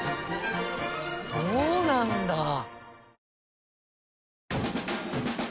そうなんだ！